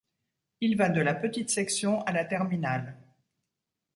Il va de la petite section à la terminale.